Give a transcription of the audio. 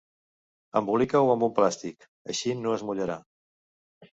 Embolica-ho amb un plàstic: així no es mullarà!